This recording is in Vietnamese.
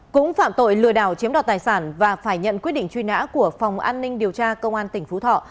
cũng phạm tội lừa đảo chiếm đoạt tài sản và phải nhận quyết định truy nã của phòng an ninh điều tra công an tỉnh phú thọ